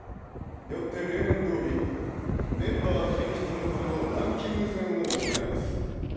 よって例年通りメンバー選出のためのランキング戦を行います。